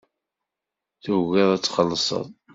Tugiḍ ad txellṣeḍ.